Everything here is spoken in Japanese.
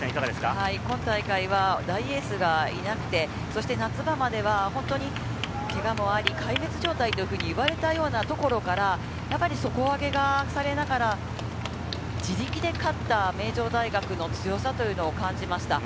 今大会は大エースがいなくて、夏場まではけがもあり、壊滅状態というふうに言われたところから、やっぱり底上げがされながら、自力で勝った名城大学の強さというのを感じました。